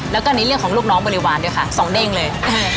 แล้วก็ในเรื่องของลูกน้องบริวารด้วยค่ะสองเด้งเลย